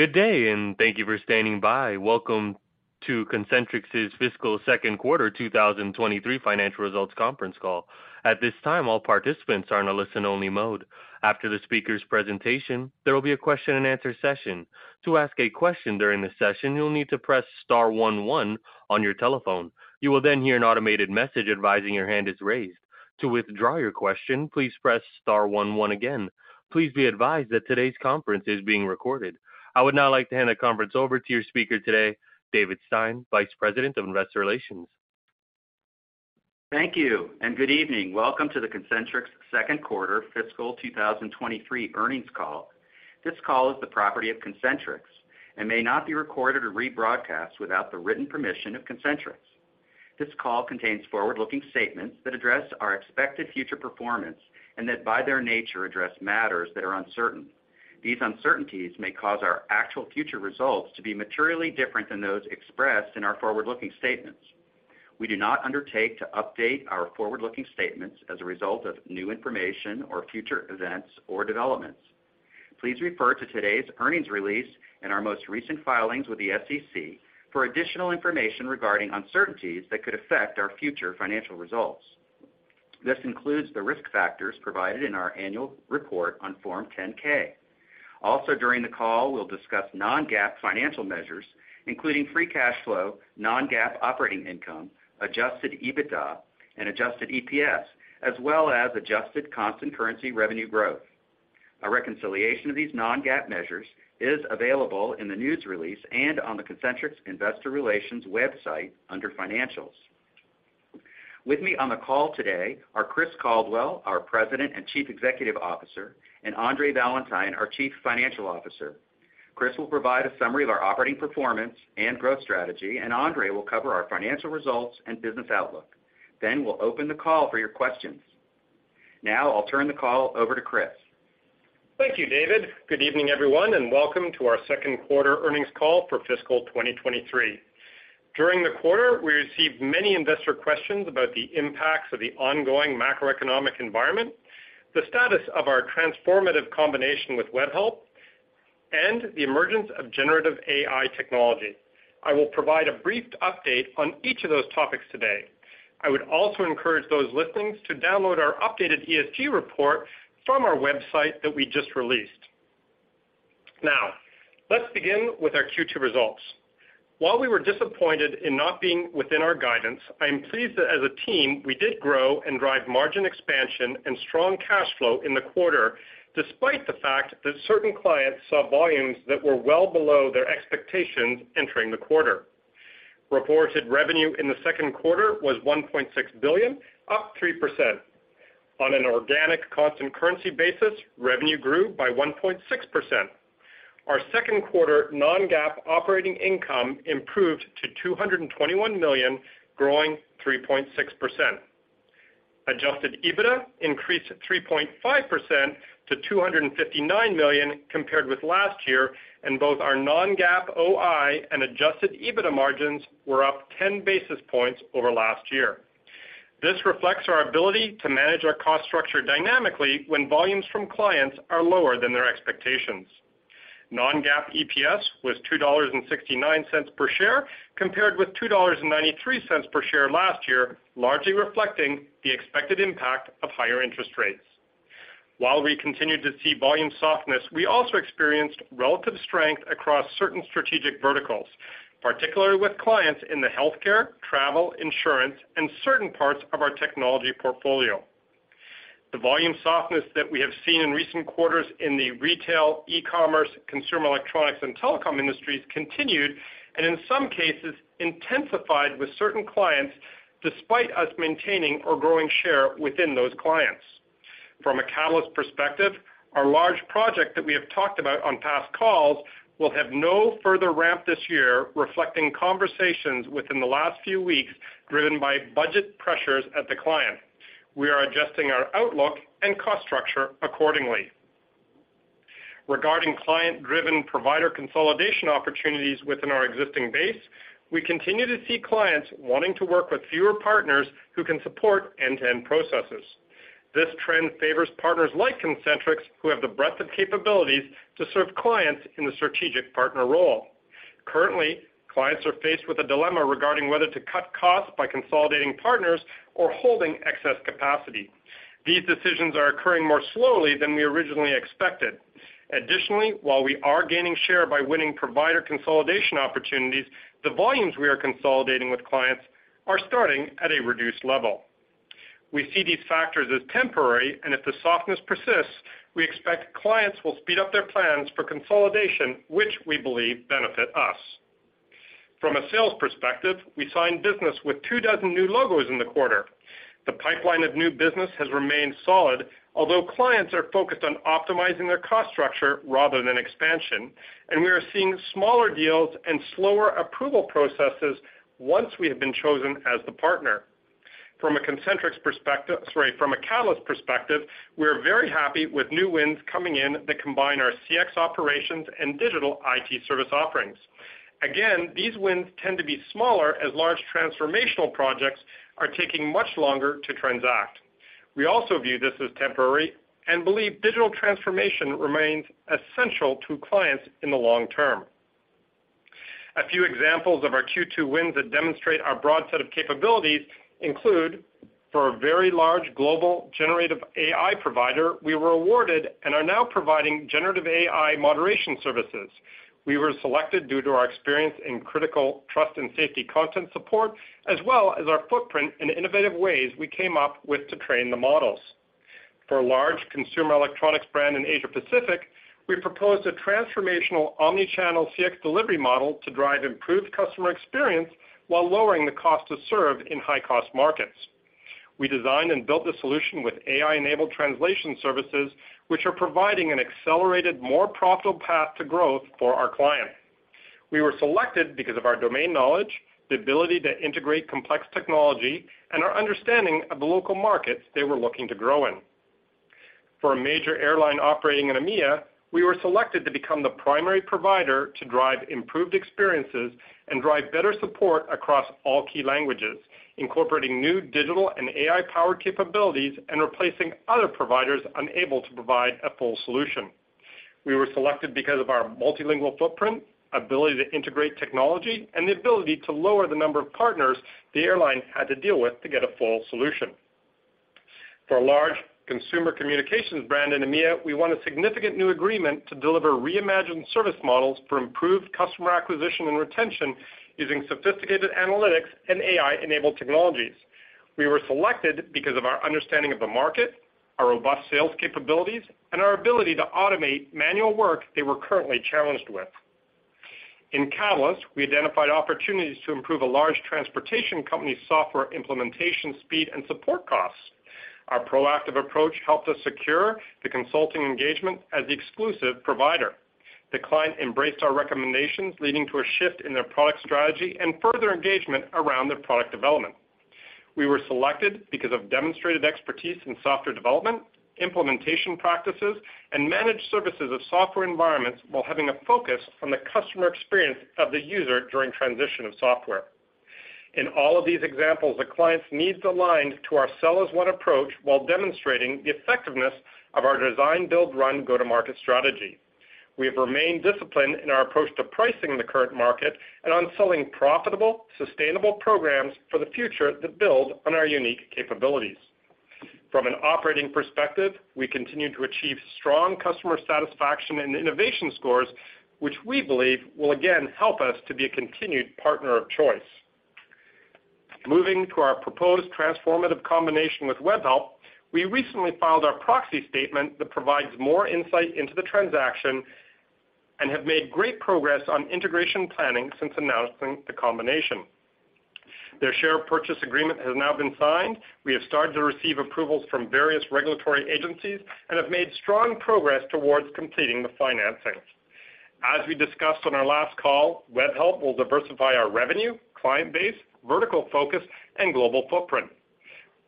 Good day. Thank you for standing by. Welcome to Concentrix's fiscal second quarter 2023 financial results conference call. At this time, all participants are in a listen-only mode. After the speaker's presentation, there will be a question-and-answer session. To ask a question during the session, you'll need to press star one one on your telephone. You will hear an automated message advising that your hand is raised. To withdraw your question, please press star one one again. Please be advised that today's conference is being recorded. I would now like to hand the conference over to your speaker today, David Stein, Vice President of Investor Relations. Thank you and good evening. Welcome to the Concentrix second quarter fiscal 2023 earnings call. This call is the property of Concentrix and may not be recorded or rebroadcast without the written permission of Concentrix. This call contains forward-looking statements that address our expected future performance and that, by their nature, address matters that are uncertain. These uncertainties may cause our actual future results to be materially different than those expressed in our forward-looking statements. We do not undertake to update our forward-looking statements as a result of new information or future events or developments. Please refer to today's earnings release and our most recent filings with the SEC for additional information regarding uncertainties that could affect our future financial results. This includes the risk factors provided in our annual report on Form 10-K. Also, during the call, we'll discuss non-GAAP financial measures, including free cash flow, non-GAAP operating income, Adjusted EBITDA, and Adjusted EPS, as well as adjusted constant currency revenue growth. A reconciliation of these non-GAAP measures is available in the news release and on the Concentrix Investor Relations website under Financials. With me on the call today are Chris Caldwell, our President and Chief Executive Officer, and Andre Valentine, our Chief Financial Officer. Chris will provide a summary of our operating performance and growth strategy, and Andre will cover our financial results and business outlook. We'll open the call for your questions. I'll turn the call over to Chris. Thank you, David. Good evening, everyone, and welcome to our second quarter earnings call for fiscal 2023. During the quarter, we received many investor questions about the impacts of the ongoing macroeconomic environment, the status of our transformative combination with Webhelp, and the emergence of generative AI technology. I will provide a brief update on each of those topics today. I would also encourage those listening to download our updated ESG report from our website that we just released. Let's begin with our Q2 results. While we were disappointed in not being within our guidance, I am pleased that as a team, we did grow and drive margin expansion and strong cash flow in the quarter, despite the fact that certain clients saw volumes that were well below their expectations entering the quarter. Reported revenue in the second quarter was $1.6 billion, up 3%. On an organic constant currency basis, revenue grew by 1.6%. Our second quarter non-GAAP operating income improved to $221 million, growing 3.6%. Adjusted EBITDA increased 3.5% to $259 million compared with last year, and both our non-GAAP OI and Adjusted EBITDA margins were up 10 basis points over last year. This reflects our ability to manage our cost structure dynamically when volumes from clients are lower than their expectations. Non-GAAP EPS was $2.69 per share, compared with $2.93 per share last year, largely reflecting the expected impact of higher interest rates. While we continued to see volume softness, we also experienced relative strength across certain strategic verticals, particularly with clients in the healthcare, travel, insurance, and certain parts of our technology portfolio. The volume softness that we have seen in recent quarters in the retail, e-commerce, consumer electronics, and telecom industries continued, and in some cases intensified with certain clients, despite us maintaining or growing share within those clients. From a Catalyst perspective, our large project that we have talked about on past calls will have no further ramp this year, reflecting conversations within the last few weeks driven by budget pressures at the client. We are adjusting our outlook and cost structure accordingly. Regarding client-driven provider consolidation opportunities within our existing base, we continue to see clients wanting to work with fewer partners who can support end-to-end processes. This trend favors partners like Concentrix, who have the breadth of capabilities to serve clients in the strategic partner role. Currently, clients are faced with a dilemma regarding whether to cut costs by consolidating partners or holding excess capacity. These decisions are occurring more slowly than we originally expected. Additionally, while we are gaining share by winning provider consolidation opportunities, the volumes we are consolidating with clients are starting at a reduced level. We see these factors as temporary. If the softness persists, we expect clients will speed up their plans for consolidation, which we believe benefit us. From a sales perspective, we signed business with two dozen new logos in the quarter. The pipeline of new business has remained solid, although clients are focused on optimizing their cost structure rather than expansion, and we are seeing smaller deals and slower approval processes once we have been chosen as the partner. From a Concentrix perspective, sorry, from a Catalyst perspective, we are very happy with new wins coming in that combine our CX operations and digital IT service offerings. These wins tend to be smaller, as large transformational projects are taking much longer to transact. We also view this as temporary and believe digital transformation remains essential to clients in the long term. A few examples of our Q2 wins that demonstrate our broad set of capabilities include, for a very large global generative AI provider, we were awarded and are now providing generative AI moderation services. We were selected due to our experience in critical trust and safety content support, as well as our footprint and innovative ways we came up with to train the models. For a large consumer electronics brand in Asia Pacific, we proposed a transformational omnichannel CX delivery model to drive improved customer experience while lowering the cost to serve in high-cost markets. We designed and built the solution with AI-enabled translation services, which are providing an accelerated, more profitable path to growth for our client. We were selected because of our domain knowledge, the ability to integrate complex technology, and our understanding of the local markets they were looking to grow in. For a major airline operating in EMEA, we were selected to become the primary provider to drive improved experiences and drive better support across all key languages, incorporating new digital and AI-powered capabilities and replacing other providers unable to provide a full solution. We were selected because of our multilingual footprint, ability to integrate technology, and the ability to lower the number of partners the airline had to deal with to get a full solution. For a large consumer communications brand in EMEA, we won a significant new agreement to deliver reimagined service models for improved customer acquisition and retention using sophisticated analytics and AI-enabled technologies. We were selected because of our understanding of the market, our robust sales capabilities, and our ability to automate manual work they were currently challenged with. In Catalyst, we identified opportunities to improve a large transportation company's software implementation speed and support costs. Our proactive approach helped us secure the consulting engagement as the exclusive provider. The client embraced our recommendations, leading to a shift in their product strategy and further engagement around their product development. We were selected because of demonstrated expertise in software development, implementation practices, and managed services of software environments while having a focus on the customer experience of the user during transition of software. In all of these examples, the client's needs aligned to our sell-as-one approach while demonstrating the effectiveness of our design, build, run, go-to-market strategy. We have remained disciplined in our approach to pricing the current market and on selling profitable, sustainable programs for the future that build on our unique capabilities. From an operating perspective, we continue to achieve strong customer satisfaction and innovation scores, which we believe will again help us to be a continued partner of choice. Moving to our proposed transformative combination with Webhelp, we recently filed our proxy statement that provides more insight into the transaction. We have made great progress on integration planning since announcing the combination. Their share purchase agreement has now been signed. We have started to receive approvals from various regulatory agencies and have made strong progress towards completing the financing. As we discussed on our last call, Webhelp will diversify our revenue, client base, vertical focus, and global footprint.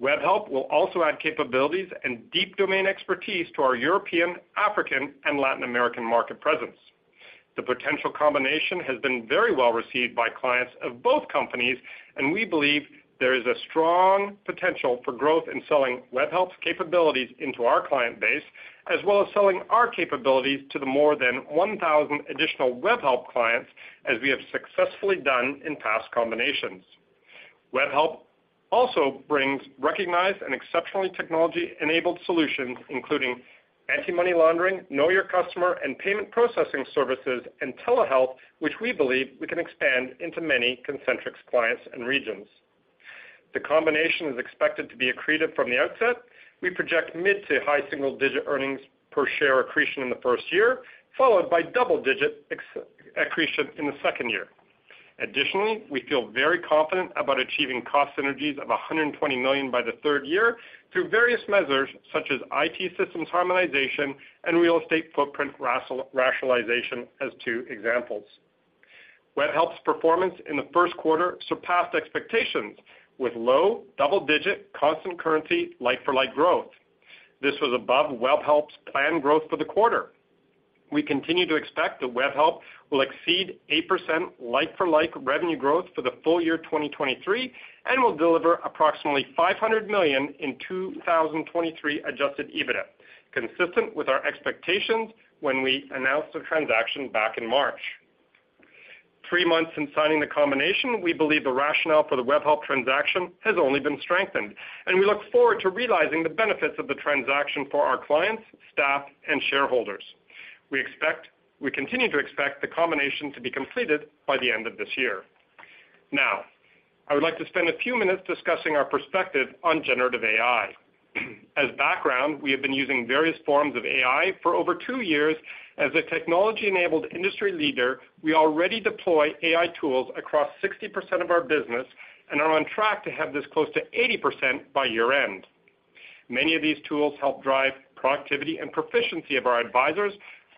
Webhelp will also add capabilities and deep domain expertise to our European, African, and Latin American market presence. The potential combination has been very well received by clients of both companies, and we believe there is a strong potential for growth in selling Webhelp's capabilities into our client base, as well as selling our capabilities to the more than 1,000 additional Webhelp clients, as we have successfully done in past combinations. Webhelp also brings recognized and exceptionally technology-enabled solutions, including anti-money laundering, know your customer, and payment processing services, and telehealth, which we believe we can expand into many Concentrix clients and regions. The combination is expected to be accretive from the outset. We project mid to high-single-digit earnings per share accretion in the first year, followed by double-digit accretion in the second year. Additionally, we feel very confident about achieving cost synergies of $120 million by the third year through various measures, such as IT systems harmonization and real estate footprint rationalization, as two examples. Webhelp's performance in the first quarter surpassed expectations, with low double-digit constant currency, like-for-like growth. This was above Webhelp's planned growth for the quarter. We continue to expect that Webhelp will exceed 8% like-for-like revenue growth for the full year 2023, and will deliver approximately $500 million in 2023 Adjusted EBITDA, consistent with our expectations when we announced the transaction back in March. Three months since signing the combination, we believe the rationale for the Webhelp transaction has only been strengthened, we look forward to realizing the benefits of the transaction for our clients, staff, and shareholders. We continue to expect the combination to be completed by the end of this year. I would like to spend a few minutes discussing our perspective on generative AI. As background, we have been using various forms of AI for over two years. As a technology-enabled industry leader, we already deploy AI tools across 60% of our business and are on track to have this close to 80% by year-end. Many of these tools help drive productivity and proficiency of our advisors,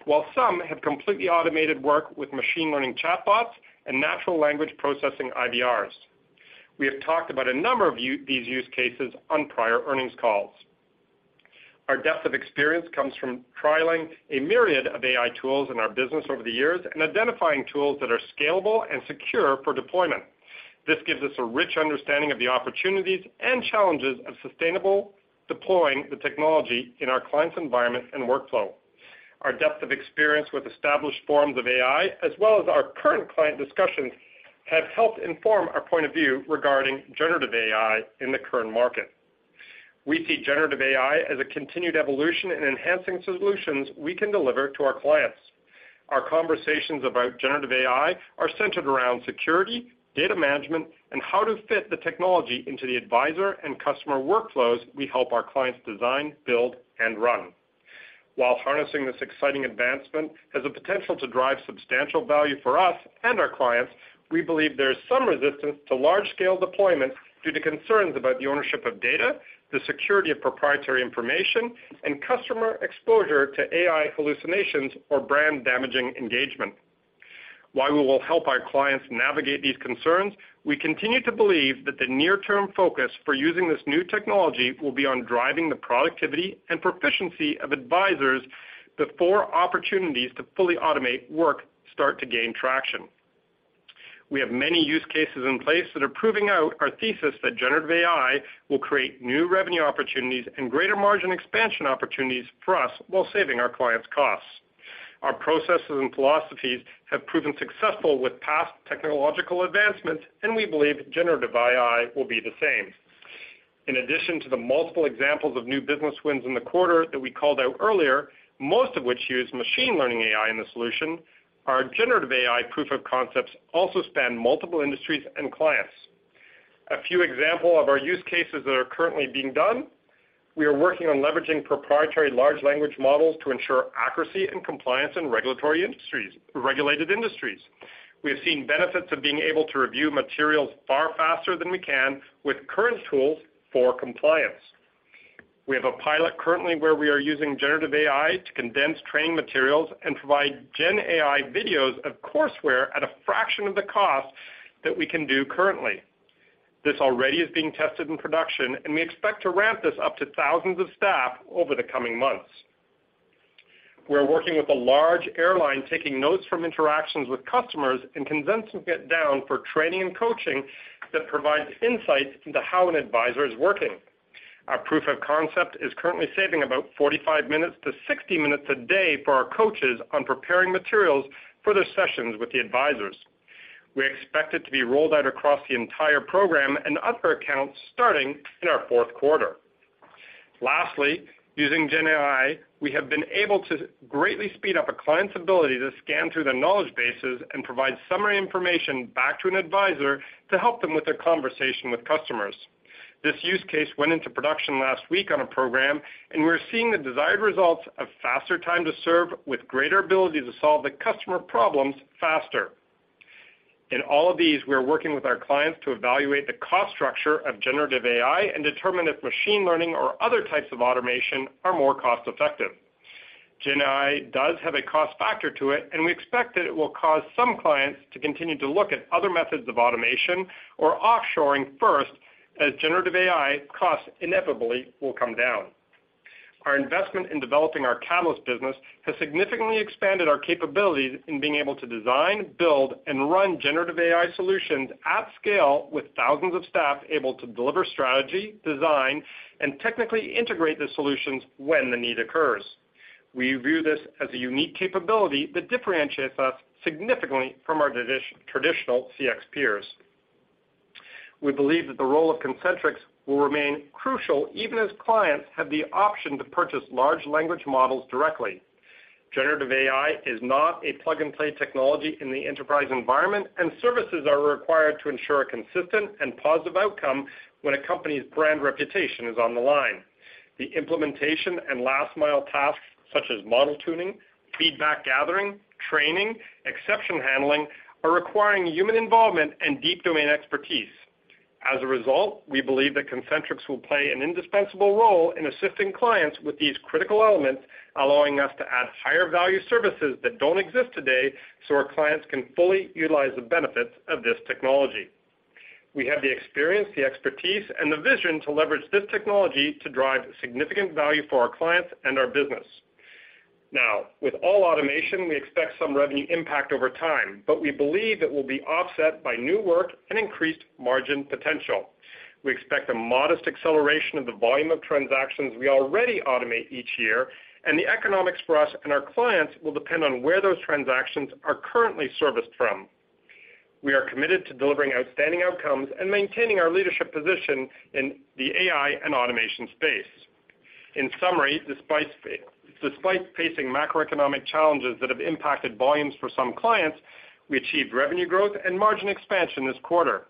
while some have completely automated work with machine learning chatbots and natural language processing IVRs. We have talked about a number of these use cases on prior earnings calls. Our depth of experience comes from trialing a myriad of AI tools in our business over the years and identifying tools that are scalable and secure for deployment. This gives us a rich understanding of the opportunities and challenges of sustainable, deploying the technology in our clients' environment and workflow. Our depth of experience with established forms of AI, as well as our current client discussions, have helped inform our point of view regarding generative AI in the current market. We see generative AI as a continued evolution in enhancing solutions we can deliver to our clients. Our conversations about generative AI are centered around security, data management, and how to fit the technology into the advisor and customer workflows we help our clients design, build, and run. While harnessing this exciting advancement has the potential to drive substantial value for us and our clients, we believe there is some resistance to large-scale deployment due to concerns about the ownership of data, the security of proprietary information, and customer exposure to AI hallucinations or brand-damaging engagement. While we will help our clients navigate these concerns, we continue to believe that the near-term focus for using this new technology will be on driving the productivity and proficiency of advisors before opportunities to fully automate work start to gain traction. We have many use cases in place that are proving out our thesis that generative AI will create new revenue opportunities and greater margin expansion opportunities for us while saving our clients costs. Our processes and philosophies have proven successful with past technological advancements, and we believe generative AI will be the same. In addition to the multiple examples of new business wins in the quarter that we called out earlier, most of which use machine learning AI in the solution, our generative AI proof of concepts also span multiple industries and clients. A few examples of our use cases that are currently being done: We are working on leveraging proprietary large language models to ensure accuracy and compliance in regulated industries. We have seen benefits of being able to review materials far faster than we can with current tools for compliance. We have a pilot currently where we are using generative AI to condense training materials and provide gen AI videos of courseware at a fraction of the cost that we can do currently. This already is being tested in production. We expect to ramp this up to thousands of staff over the coming months. We are working with a large airline, taking notes from interactions with customers and condensing it down for training and coaching that provides insights into how an advisor is working. Our proof of concept is currently saving about 45 minutes to 60 minutes a day for our coaches on preparing materials for their sessions with the advisors. We expect it to be rolled out across the entire program and other accounts starting in our fourth quarter. Lastly, using gen AI, we have been able to greatly speed up a client's ability to scan through their knowledge bases and provide summary information back to an advisor to help them with their conversation with customers. This use case went into production last week on a program, and we're seeing the desired results of faster time to serve with greater ability to solve the customer problems faster. In all of these, we are working with our clients to evaluate the cost structure of generative AI and determine if machine learning or other types of automation are more cost-effective. Gen AI does have a cost factor to it. We expect that it will cause some clients to continue to look at other methods of automation or offshoring first, as generative AI costs inevitably will come down. Our investment in developing our Catalyst business has significantly expanded our capabilities in being able to design, build, and run generative AI solutions at scale, with thousands of staff able to deliver strategy, design, and technically integrate the solutions when the need occurs. We view this as a unique capability that differentiates us significantly from our traditional CX peers. We believe that the role of Concentrix will remain crucial, even as clients have the option to purchase large language models directly. Generative AI is not a plug-and-play technology in the enterprise environment. Services are required to ensure a consistent and positive outcome when a company's brand reputation is on the line. The implementation and last-mile tasks, such as model tuning, feedback gathering, training, exception handling, are requiring human involvement and deep domain expertise. As a result, we believe that Concentrix will play an indispensable role in assisting clients with these critical elements, allowing us to add higher-value services that don't exist today. Our clients can fully utilize the benefits of this technology. We have the experience, the expertise, and the vision to leverage this technology to drive significant value for our clients and our business. Now, with all automation, we expect some revenue impact over time. We believe it will be offset by new work and increased margin potential. We expect a modest acceleration of the volume of transactions we already automate each year, and the economics for us and our clients will depend on where those transactions are currently serviced from. We are committed to delivering outstanding outcomes and maintaining our leadership position in the AI and automation space. In summary, despite facing macroeconomic challenges that have impacted volumes for some clients, we achieved revenue growth and margin expansion this quarter.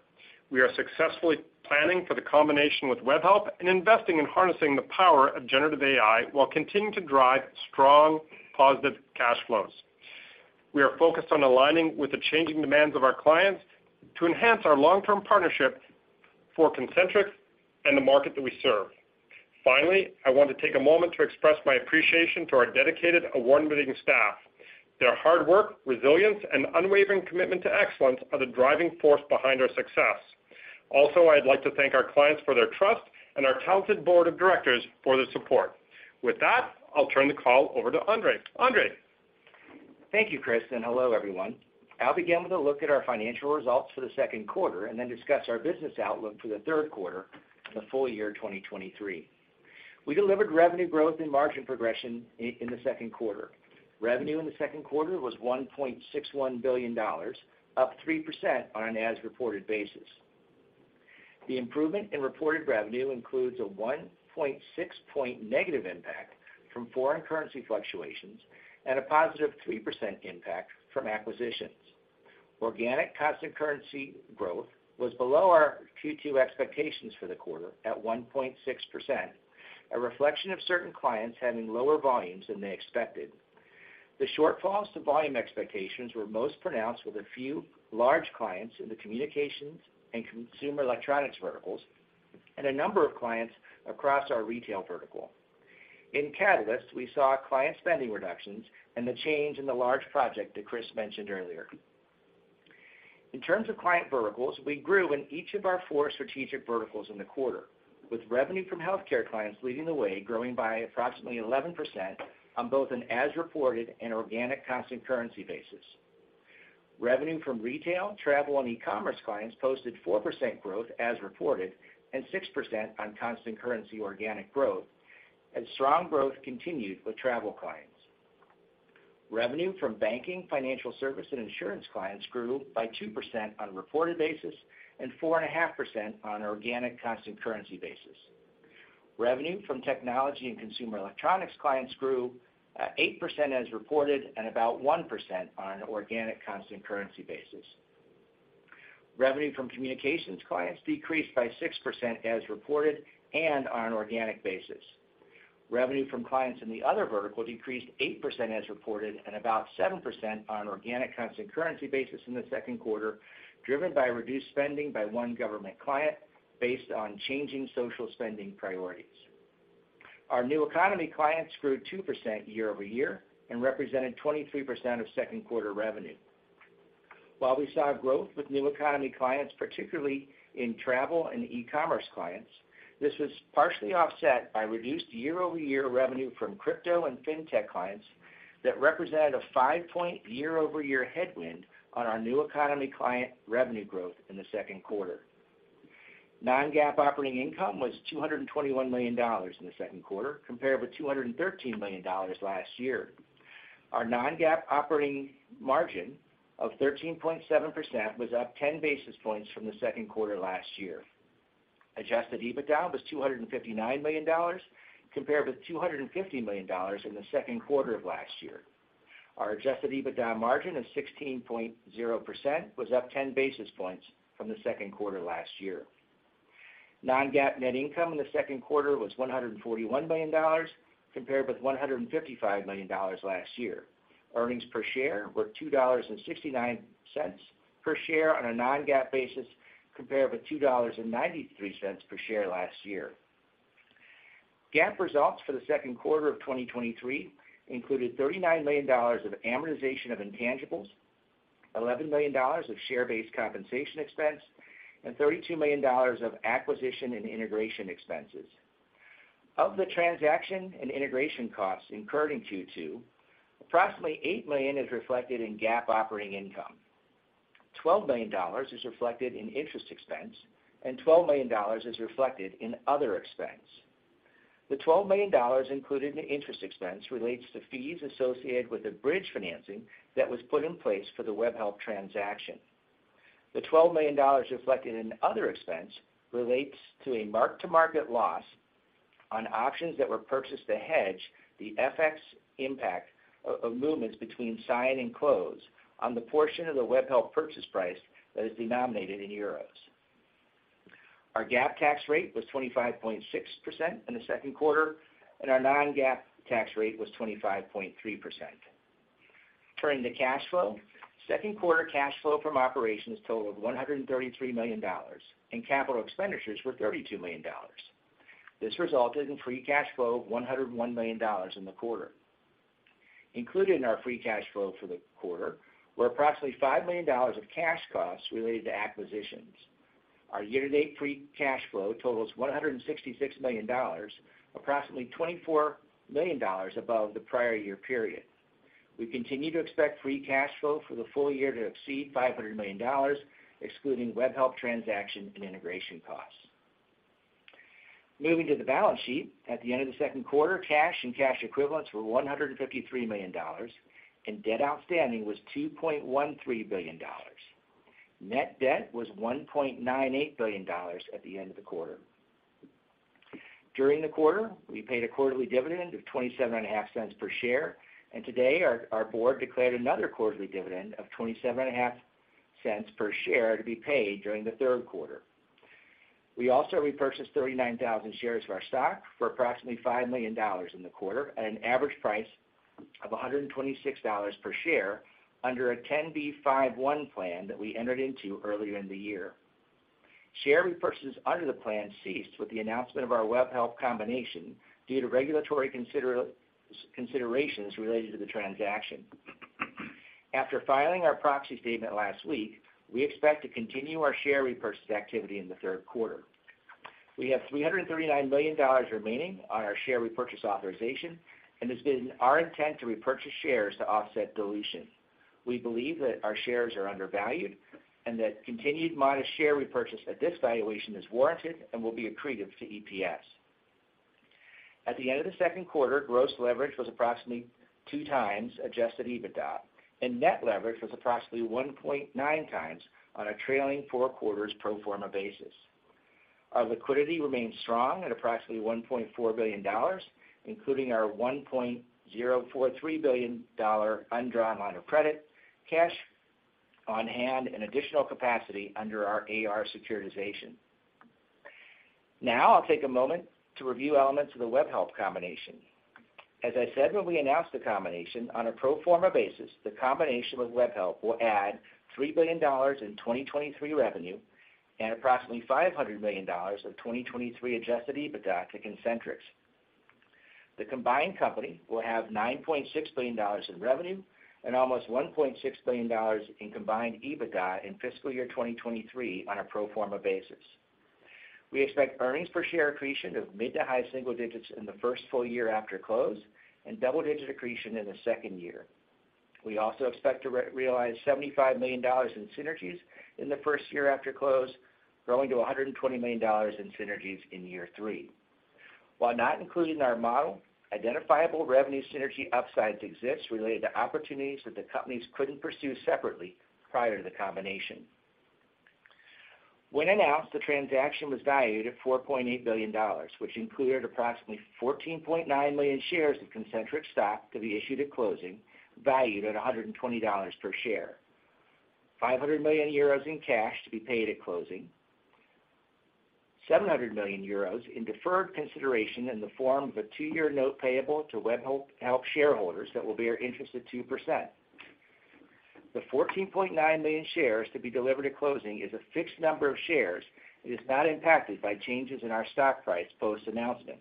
We are successfully planning for the combination with Webhelp and investing in harnessing the power of generative AI while continuing to drive strong, positive cash flows. We are focused on aligning with the changing demands of our clients to enhance our long-term partnership for Concentrix and the market that we serve. Finally, I want to take a moment to express my appreciation to our dedicated, award-winning staff. Their hard work, resilience, and unwavering commitment to excellence are the driving force behind our success. I'd like to thank our clients for their trust and our talented board of directors for their support. With that, I'll turn the call over to Andre. Andre? Thank you, Chris. Hello, everyone. I'll begin with a look at our financial results for the second quarter and then discuss our business outlook for the third quarter and the full year 2023. We delivered revenue growth and margin progression in the second quarter. Revenue in the second quarter was $1.61 billion, up 3% on an as-reported basis. The improvement in reported revenue includes a 1.6 point negative impact from foreign currency fluctuations and a positive 3% impact from acquisitions. Organic constant currency growth was below our Q2 expectations for the quarter at 1.6%, a reflection of certain clients having lower volumes than they expected. The shortfalls to volume expectations were most pronounced with a few large clients in the communications and consumer electronics verticals, and a number of clients across our retail vertical. In Catalyst, we saw client spending reductions and the change in the large project that Chris mentioned earlier. In terms of client verticals, we grew in each of our four strategic verticals in the quarter, with revenue from healthcare clients leading the way, growing by approximately 11% on both an as-reported and organic constant currency basis. Revenue from retail, travel, and e-commerce clients posted 4% growth as reported and 6% on constant currency organic growth, as strong growth continued with travel clients. Revenue from banking, financial service, and insurance clients grew by 2% on a reported basis and 4.5% on an organic constant currency basis. Revenue from technology and consumer electronics clients grew at 8% as reported and about 1% on an organic constant currency basis. Revenue from communications clients decreased by 6% as reported and on an organic basis. Revenue from clients in the other vertical decreased 8% as reported and about 7% on an organic constant currency basis in the second quarter, driven by reduced spending by one government client based on changing social spending priorities. Our new economy clients grew 2% year-over-year and represented 23% of second quarter revenue. While we saw growth with new economy clients, particularly in travel and e-commerce clients, this was partially offset by reduced year-over-year revenue from crypto and fintech clients that represented a 5-point year-over-year headwind on our new economy client revenue growth in the second quarter. Non-GAAP operating income was $221 million in the second quarter, compared with $213 million last year. Our non-GAAP operating margin of 13.7% was up 10 basis points from the second quarter last year. Adjusted EBITDA was $259 million, compared with $250 million in the second quarter of last year. Our Adjusted EBITDA margin of 16.0% was up 10 basis points from the second quarter last year. Non-GAAP net income in the second quarter was $141 million, compared with $155 million last year. Earnings per share were $2.69 per share on a non-GAAP basis, compared with $2.93 per share last year. GAAP results for the second quarter of 2023 included $39 million of amortization of intangibles, $11 million of share-based compensation expense, and $32 million of acquisition and integration expenses. Of the transaction and integration costs incurred in Q2, approximately $8 million is reflected in GAAP operating income. $12 million is reflected in interest expense, and $12 million is reflected in other expense. The $12 million included in interest expense relates to fees associated with the bridge financing that was put in place for the Webhelp transaction. The $12 million reflected in other expense relates to a mark-to-market loss on options that were purchased to hedge the FX impact of movements between sign and close on the portion of the Webhelp purchase price that is denominated in euros. Our GAAP tax rate was 25.6% in the second quarter, and our non-GAAP tax rate was 25.3%. Turning to cash flow, second quarter cash flow from operations totaled $133 million, and capital expenditures were $32 million. This resulted in free cash flow of $101 million in the quarter. Included in our free cash flow for the quarter were approximately $5 million of cash costs related to acquisitions. Our year-to-date free cash flow totals $166 million, approximately $24 million above the prior year period. We continue to expect free cash flow for the full year to exceed $500 million, excluding Webhelp transaction and integration costs. Moving to the balance sheet, at the end of the second quarter, cash and cash equivalents were $153 million, and debt outstanding was $2.13 billion. Net debt was $1.98 billion at the end of the quarter. During the quarter, we paid a quarterly dividend of $0.275 per share. Today our board declared another quarterly dividend of $0.275 per share to be paid during the third quarter. We also repurchased 39,000 shares of our stock for approximately $5 million in the quarter at an average price of $126 per share under a 10b5-1 plan that we entered into earlier in the year. Share repurchases under the plan ceased with the announcement of our Webhelp combination due to regulatory considerations related to the transaction. After filing our proxy statement last week, we expect to continue our share repurchase activity in the third quarter. We have $339 million remaining on our share repurchase authorization, and it's been our intent to repurchase shares to offset dilution. We believe that our shares are undervalued and that continued modest share repurchase at this valuation is warranted and will be accretive to EPS. At the end of the second quarter, gross leverage was approximately 2x. Adjusted EBITDA, and net leverage was approximately 1.9x on a trailing four quarters pro forma basis. Our liquidity remains strong at approximately $1.4 billion, including our $1.043 billion undrawn line of credit, cash on hand, and additional capacity under our AR securitization. I'll take a moment to review elements of the Webhelp combination. As I said when we announced the combination, on a pro forma basis, the combination with Webhelp will add $3 billion in 2023 revenue and approximately $500 million of 2023 Adjusted EBITDA to Concentrix. The combined company will have $9.6 billion in revenue and almost $1.6 billion in combined EBITDA in fiscal year 2023 on a pro forma basis. We expect earnings per share accretion of mid-to-high-single-digits in the first full year after close and double-digit accretion in the second year. We also expect to realize $75 million in synergies in the first year after close, growing to $120 million in synergies in year three. While not included in our model, identifiable revenue synergy upsides exist related to opportunities that the companies couldn't pursue separately prior to the combination. When announced, the transaction was valued at $4.8 billion, which included approximately 14.9 million shares of Concentrix stock to be issued at closing, valued at $120 per share, 500 million euros in cash to be paid at closing, 700 million euros in deferred consideration in the form of a two-year note payable to Webhelp shareholders that will bear interest at 2%. The 14.9 million shares to be delivered at closing is a fixed number of shares and is not impacted by changes in our stock price post-announcement.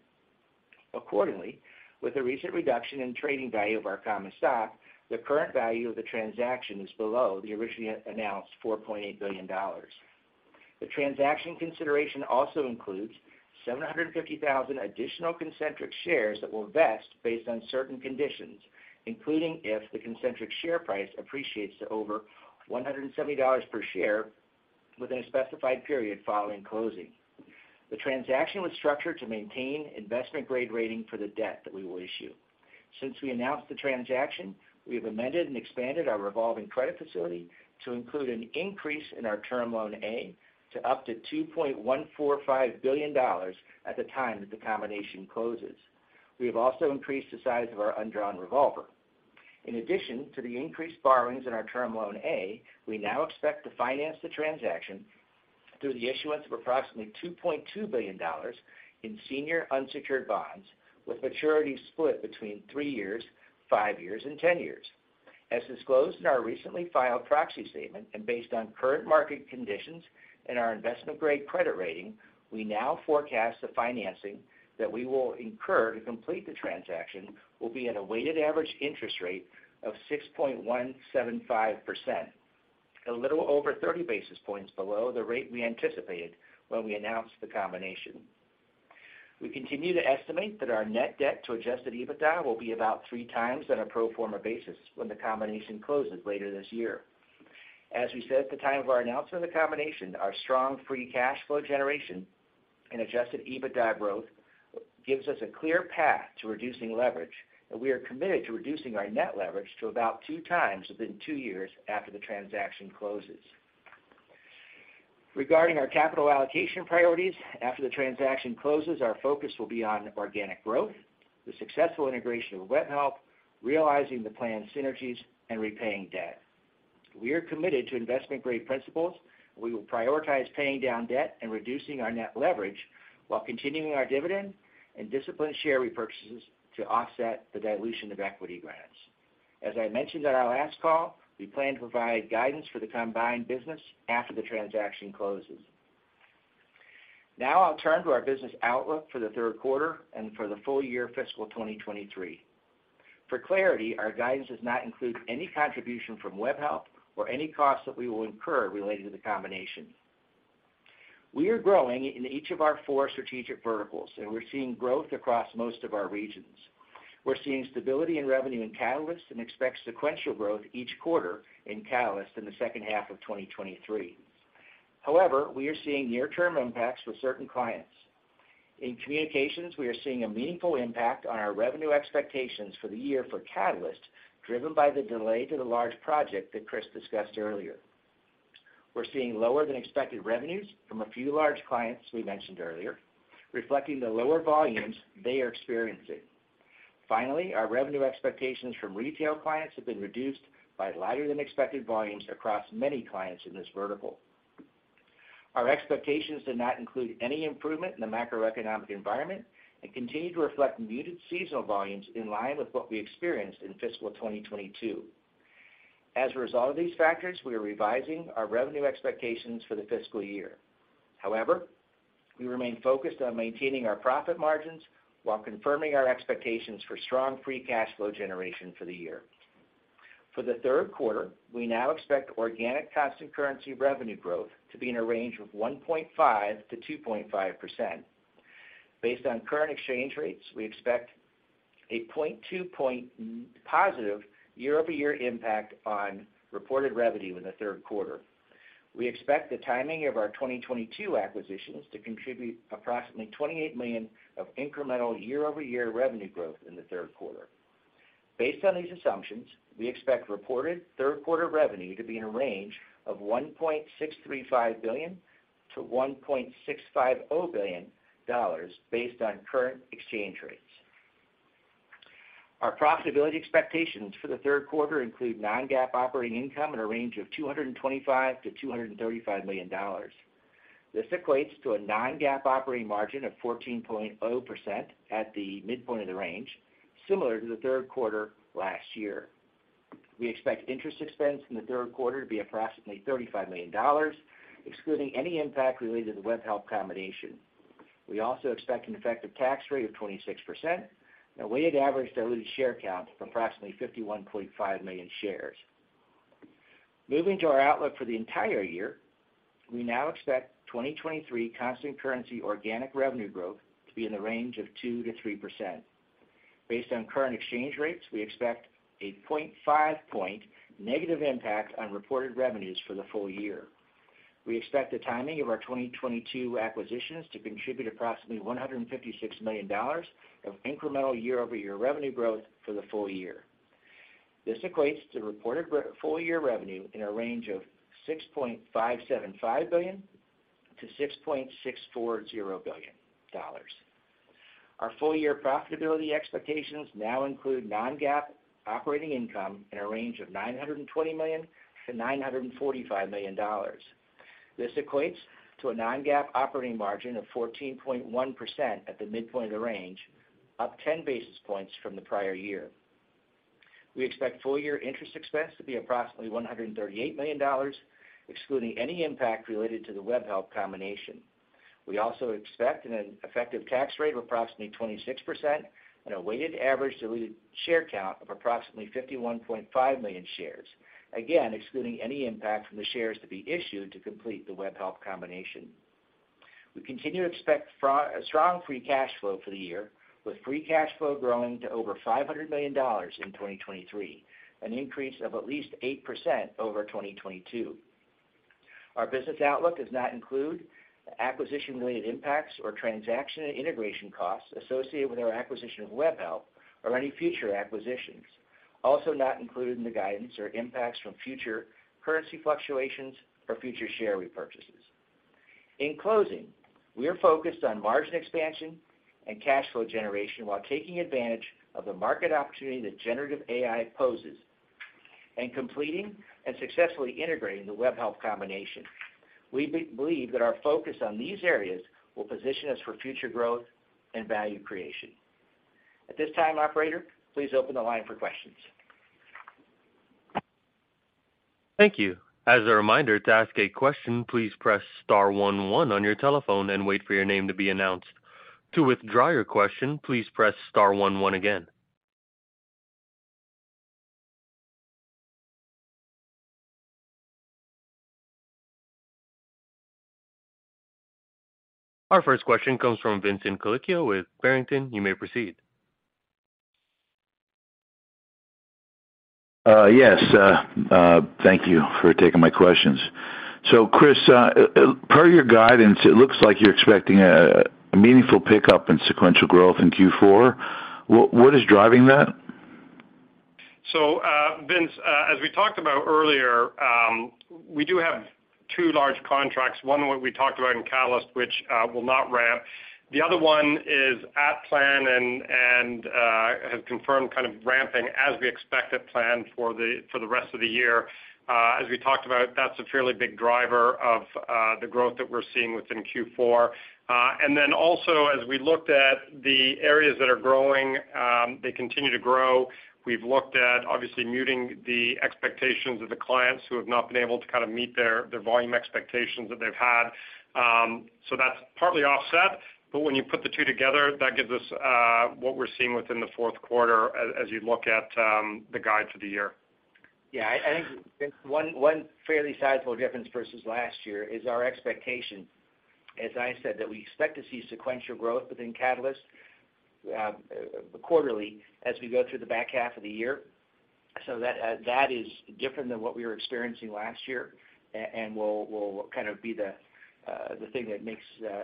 Accordingly, with the recent reduction in trading value of our common stock, the current value of the transaction is below the originally announced $4.8 billion. The transaction consideration also includes 750,000 additional Concentrix shares that will vest based on certain conditions, including if the Concentrix share price appreciates to over $170 per share within a specified period following closing. The transaction was structured to maintain an investment-grade rating for the debt that we will issue. Since we announced the transaction, we have amended and expanded our revolving credit facility to include an increase in our term loan A to up to $2.145 billion at the time that the combination closes. We have also increased the size of our undrawn revolver. In addition to the increased borrowings in our term loan A, we now expect to finance the transaction through the issuance of approximately $2.2 billion in senior unsecured bonds, with maturities split between three years, five years, and 10 years. As disclosed in our recently filed proxy statement, and based on current market conditions and our investment-grade credit rating, we now forecast that the financing that we will incur to complete the transaction will be at a weighted average interest rate of 6.175%, a little over 30 basis points below the rate we anticipated when we announced the combination. We continue to estimate that our net debt to Adjusted EBITDA will be about 3x on a pro forma basis when the combination closes later this year. As we said at the time of our announcement of the combination, our strong free cash flow generation and Adjusted EBITDA growth give us a clear path to reducing leverage, and we are committed to reducing our net leverage to about 2x within two years after the transaction closes. Regarding our capital allocation priorities, after the transaction closes, our focus will be on organic growth, the successful integration of Webhelp, realizing the planned synergies, and repaying debt. We are committed to investment-grade principles, and we will prioritize paying down debt and reducing our net leverage while continuing our dividend and disciplined share repurchases to offset the dilution of equity grants. As I mentioned on our last call, we plan to provide guidance for the combined business after the transaction closes. Now I'll turn to our business outlook for the third quarter and for the full year fiscal 2023. For clarity, our guidance does not include any contribution from Webhelp or any costs that we will incur related to the combination. We are growing in each of our four strategic verticals, and we're seeing growth across most of our regions. We're seeing stability in revenue in Catalyst and expect sequential growth each quarter in Catalyst in the second half of 2023. However, we are seeing near-term impacts with certain clients. In communications, we are seeing a meaningful impact on our revenue expectations for the year for Catalyst, driven by the delay to the large project that Chris discussed earlier. We're seeing lower than expected revenues from a few large clients we mentioned earlier, reflecting the lower volumes they are experiencing. Finally, our revenue expectations from retail clients have been reduced by lighter than expected volumes across many clients in this vertical. Our expectations did not include any improvement in the macroeconomic environment and continue to reflect muted seasonal volumes in line with what we experienced in fiscal 2022. As a result of these factors, we are revising our revenue expectations for the fiscal year. However, we remain focused on maintaining our profit margins while confirming our expectations for strong free cash flow generation for the year. For the third quarter, we now expect organic constant currency revenue growth to be in a range of 1.5%-2.5%. Based on current exchange rates, we expect a 0.2% positive year-over-year impact on reported revenue in the third quarter. We expect the timing of our 2022 acquisitions to contribute approximately $28 million of incremental year-over-year revenue growth in the third quarter. Based on these assumptions, we expect reported third-quarter revenue to be in the range of $1.635 billion-$1.650 billion based on current exchange rates. Our profitability expectations for the third quarter include non-GAAP operating income in the range of $225 million-$235 million. This equates to a non-GAAP operating margin of 14.0% at the midpoint of the range, similar to the third quarter last year. We expect interest expense in the third quarter to be approximately $35 million, excluding any impact related to the Webhelp combination. We also expect an effective tax rate of 26% and a weighted average diluted share count of approximately 51.5 million shares. Moving to our outlook for the entire year, we now expect 2023 constant currency organic revenue growth to be in the range of 2%-3%. Based on current exchange rates, we expect a 0.5 point negative impact on reported revenues for the full year. We expect the timing of our 2022 acquisitions to contribute approximately $156 million of incremental year-over-year revenue growth for the full year. This equates to reported full-year revenue in a range of $6.575 billion-$6.640 billion. Our full-year profitability expectations now include non-GAAP operating income in a range of $920 million-$945 million. This equates to a non-GAAP operating margin of 14.1% at the midpoint of the range, up 10 basis points from the prior year. We expect full-year interest expense to be approximately $138 million, excluding any impact related to the Webhelp combination. We also expect an effective tax rate of approximately 26% and a weighted average diluted share count of approximately 51.5 million shares, again, excluding any impact from the shares to be issued to complete the Webhelp combination. We continue to expect strong free cash flow for the year, with free cash flow growing to over $500 million in 2023, an increase of at least 8% over 2022. Our business outlook does not include the acquisition-related impacts or transaction and integration costs associated with our acquisition of Webhelp or any future acquisitions. Not included in the guidance are impacts from future currency fluctuations or future share repurchases. In closing, we are focused on margin expansion and cash flow generation while taking advantage of the market opportunity that generative AI poses and completing and successfully integrating the Webhelp combination. We believe that our focus on these areas will position us for future growth and value creation. At this time, operator, please open the line for questions. Thank you. As a reminder, to ask a question, please press star one one on your telephone and wait for your name to be announced. To withdraw your question, please press star one one again. Our first question comes from Vincent Colicchio with Barrington. You may proceed. Yes, thank you for taking my questions. Chris, per your guidance, it looks like you're expecting a meaningful pickup in sequential growth in Q4. What is driving that? Vince, as we talked about earlier, we do have two large contracts, one what we talked about in Catalyst, which will not ramp. The other one is at plan and has confirmed kind of ramping as we expect at plan for the rest of the year. As we talked about, that's a fairly big driver of the growth that we're seeing within Q4. Also, as we looked at the areas that are growing, they continue to grow. We've looked at obviously muting the expectations of the clients who have not been able to kind of meet their volume expectations that they've had. That's partly offset, but when you put the two together, that gives us what we're seeing within the fourth quarter as you look at the guide for the year. Yeah, I think, Vince, one fairly sizable difference versus last year is our expectation, as I said, that we expect to see sequential growth within Catalyst, quarterly as we go through the back half of the year. That is different than what we were experiencing last year and will kind of be the thing that makes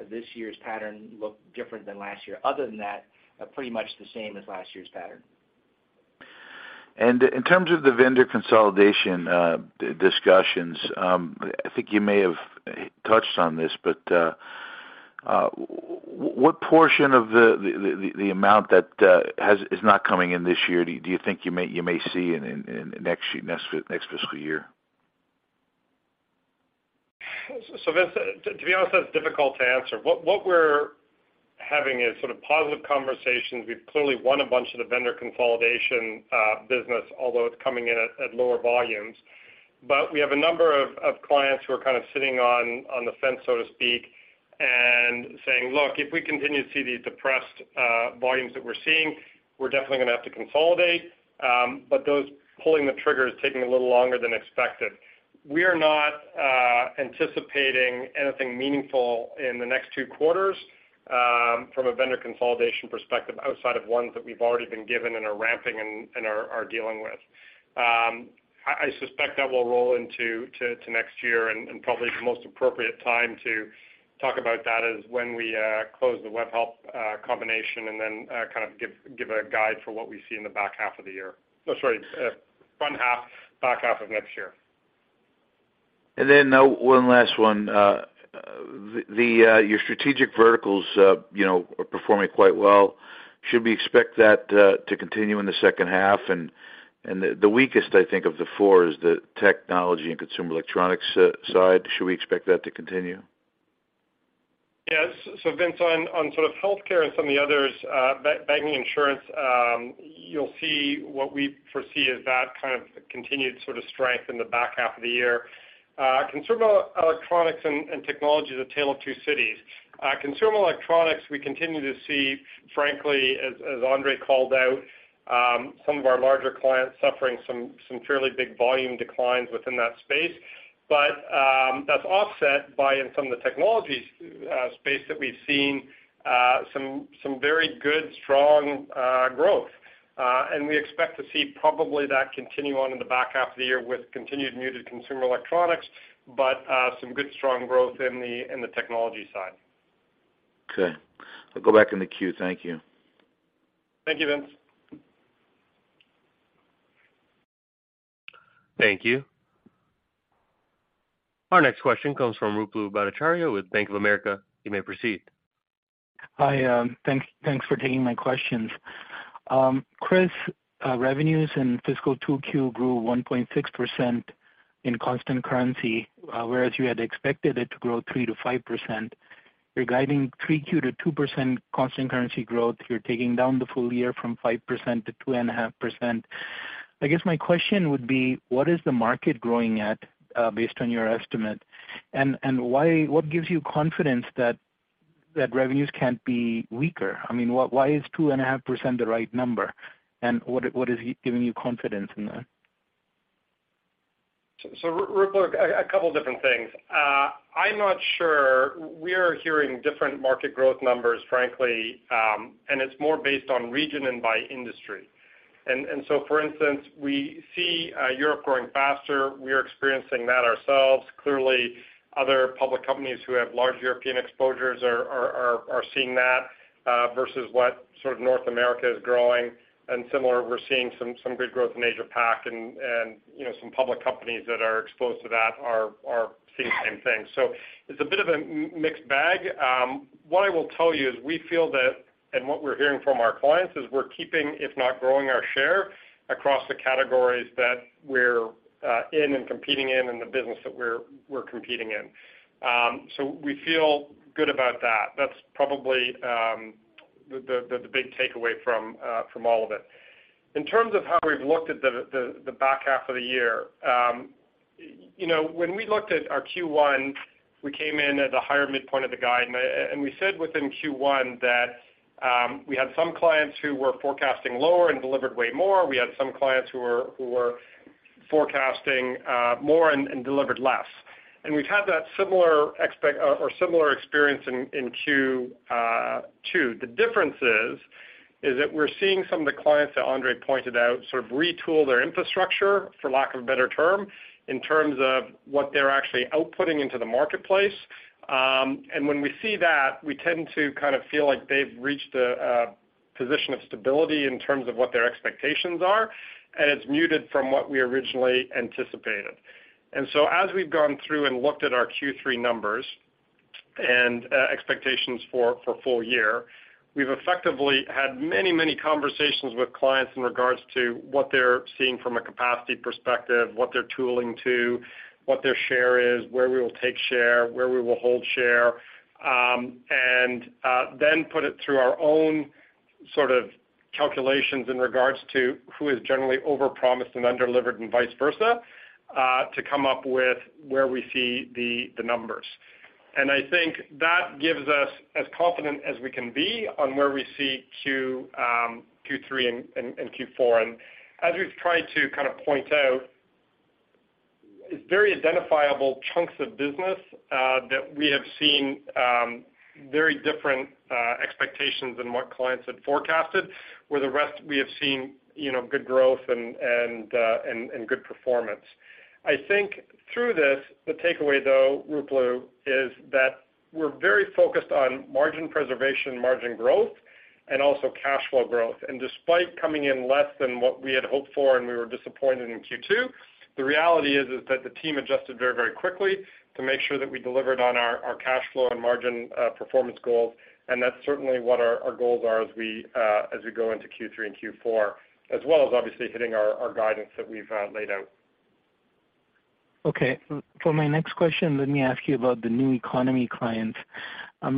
this year's pattern look different than last year. Other than that, pretty much the same as last year's pattern. In terms of the vendor consolidation, discussions, I think you may have touched on this, but what portion of the amount that is not coming in this year, do you think you may see in next year, next fiscal year? Vince, to be honest, that's difficult to answer. What we're having is sort of positive conversations. We've clearly won a bunch of the vendor consolidation business, although it's coming in at lower volumes. We have a number of clients who are kind of sitting on the fence, so to speak, and saying, "Look, if we continue to see these depressed volumes that we're seeing, we're definitely gonna have to consolidate." Those pulling the trigger is taking a little longer than expected. We are not anticipating anything meaningful in the next two quarters from a vendor consolidation perspective, outside of ones that we've already been given and are ramping and are dealing with. I suspect that will roll into next year, probably the most appropriate time to talk about that is when we close the Webhelp combination, then kind of give a guide for what we see in the back half of the year. Oh, sorry, front half, back half of next year. Then, one last one. Your strategic verticals, you know, are performing quite well. Should we expect that to continue in the second half? The weakest, I think, of the four is the technology and consumer electronics side. Should we expect that to continue? So Vince, on sort of healthcare and some of the others, banking, insurance, you'll see, what we foresee is that kind of continued sort of strength in the back half of the year. Consumer electronics and technology is a tale of two cities. Consumer electronics, we continue to see, frankly, as Andre called out, some of our larger clients suffering some fairly big volume declines within that space. That's offset by in some of the technologies space that we've seen some very good, strong growth. We expect to see probably that continue on in the back half of the year with continued muted consumer electronics, but some good, strong growth in the technology side. Okay. I'll go back in the queue. Thank you. Thank you, Vince. Thank you. Our next question comes from Ruplu Bhattacharya with Bank of America. You may proceed. Hi, thanks for taking my questions. Chris, revenues in fiscal 2Q grew 1.6% in constant currency, whereas you had expected it to grow 3%-5%. You're guiding 3Q to 2% constant currency growth, you're taking down the full year from 5% to 2.5%. I guess my question would be, what is the market growing at, based on your estimate? What gives you confidence that revenues can't be weaker? I mean, why is 2.5% the right number, and what is giving you confidence in that? Ruplu, couple of different things. I'm not sure. We are hearing different market growth numbers, frankly, and it's more based on region and by industry. For instance, we see Europe growing faster. We are experiencing that ourselves. Clearly, other public companies that have large European exposures are seeing that versus what sort of North America is growing. Similarly, we're seeing some good growth in Asia Pac, and, you know, some public companies that are exposed to that are seeing the same thing. It's a bit of a mixed bag. What I will tell you is we feel that, and what we're hearing from our clients, is we're keeping, if not growing, our share across the categories that we're in and competing in, and the business that we're competing in. We feel good about that. That's probably the big takeaway from all of it. In terms of how we've looked at the back half of the year, you know, when we looked at our Q1, we came in at the higher midpoint of the guide. We said within Q1 that we had some clients who were forecasting lower and delivered way more. We had some clients who were forecasting more and delivered less. We've had that similar or similar experience in Q2. The difference is that we're seeing some of the clients that Andre pointed out, sort of retool their infrastructure, for lack of a better term, in terms of what they're actually outputting into the marketplace. When we see that, we tend to kind of feel like they've reached a position of stability in terms of what their expectations are, and it's muted from what we originally anticipated. As we've gone through and looked at our Q3 numbers and expectations for full year, we've effectively had many conversations with clients in regards to what they're seeing from a capacity perspective, what they're tooling to, what their share is, where we will take share, where we will hold share. Then put it through our own sort of calculations in regards to who has generally overpromised and underdelivered, and vice versa, to come up with where we see the numbers. I think that gives us as confident as we can be on where we see Q3 and Q4. As we've tried to kind of point out, it's very identifiable chunks of business that we have seen very different expectations than what clients had forecasted, where the rest we have seen, you know, good growth and good performance. I think through this, the takeaway though, Ruplu, is that we're very focused on margin preservation, margin growth, and also cash flow growth. Despite coming in less than what we had hoped for, and we were disappointed in Q2, the reality is that the team adjusted very quickly to make sure that we delivered on our cash flow and margin, performance goals. That's certainly what our goals are as we go into Q3 and Q4, as well as obviously hitting our guidance that we've laid out. For my next question, let me ask you about the new economy clients. I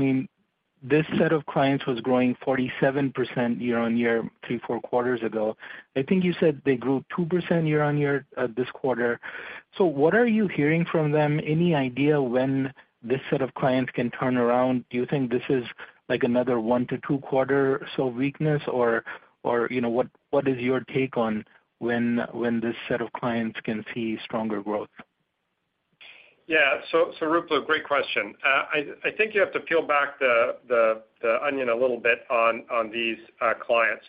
mean, this set of clients was growing 47% year-on-year, three, four quarters ago. I think you said they grew 2% year-on-year, this quarter. What are you hearing from them? Any idea when this set of clients can turn around? Do you think this is like another one to two quarter, so weakness, or, you know, what is your take on when this set of clients can see stronger growth? Ruplu, great question. I think you have to peel back the onion a little bit on these clients.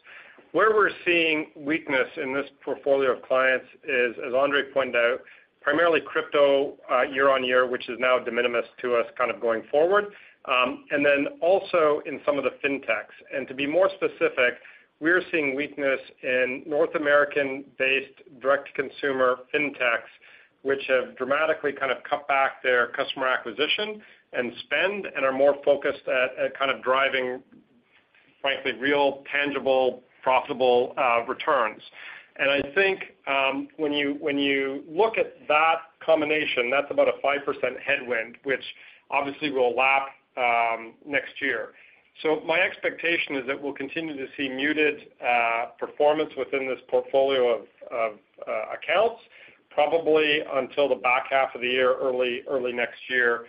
Where we're seeing weakness in this portfolio of clients is, as Andre pointed out, primarily crypto year-on-year, which is now de minimis to us, kind of going forward, and then also in some of the fintechs. To be more specific, we're seeing weakness in North American-based direct-to-consumer fintechs, which have dramatically kind of cut back their customer acquisition and spend and are more focused at kind of driving, frankly, real, tangible, profitable returns. I think, when you look at that combination, that's about a 5% headwind, which obviously will lap next year. My expectation is that we'll continue to see muted performance within this portfolio of accounts, probably until the back half of the year, early next year,